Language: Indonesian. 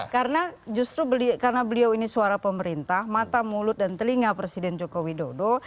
karena justru karena beliau ini suara pemerintah mata mulut dan telinga presiden joko widodo